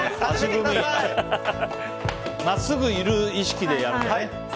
真っすぐいる意識でやるんだね。